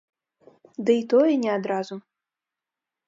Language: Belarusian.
Дый тое не адразу.